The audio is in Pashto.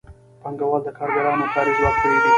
پانګوال د کارګرانو کاري ځواک پېري